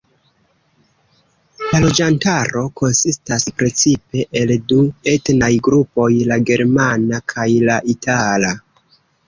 La loĝantaro konsistas precipe el du etnaj grupoj, la germana kaj la itala.